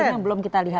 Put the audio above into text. yang belum kita jelaskan